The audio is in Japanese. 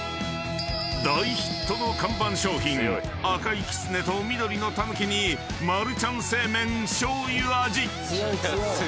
［大ヒットの看板商品赤いきつねと緑のたぬきにマルちゃん正麺醤油味］